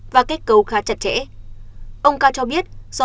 và kết cấu khá chặt chẽ